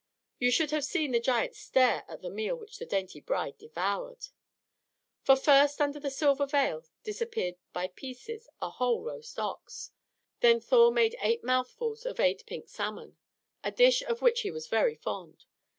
You should have seen the giants stare at the meal which the dainty bride devoured! For first under the silver veil disappeared by pieces a whole roast ox. Then Thor made eight mouthfuls of eight pink salmon, a dish of which he was very fond.